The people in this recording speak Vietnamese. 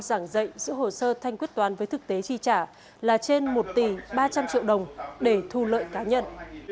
giảng dạy giữ hồ sơ thanh quyết toán với thực tế chi trả là trên một tỷ ba trăm linh triệu đồng để thu lợi cá nhân